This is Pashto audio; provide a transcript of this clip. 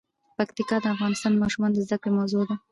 پکتیا د افغان ماشومانو د زده کړې موضوع ده.